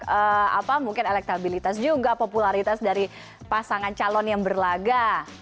kemudian apa mungkin elektabilitas juga popularitas dari pasangan calon yang berlaga